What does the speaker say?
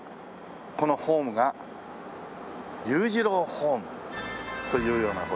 このホームが裕次郎ホームというような事でですね。